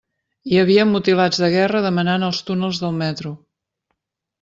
Hi havia mutilats de guerra demanant als túnels del metro.